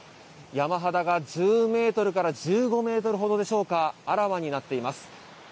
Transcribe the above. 山肌が１０ｍから１５ｍほどでしょうかあらわになっています。